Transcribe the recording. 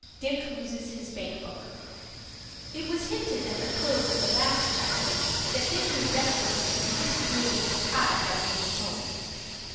DICK LOSES HIS BANK BOOK It was hinted at the close of the last chapter that Dick was destined to be disagreeably surprised on reaching home.